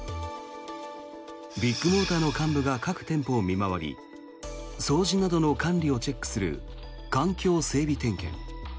ビッグモーターの幹部が各店舗を見回り掃除などの管理をチェックする環境整備点検。